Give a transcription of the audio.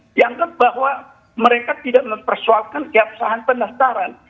dianggap bahwa mereka tidak mempersoalkan keabsahan pendaftaran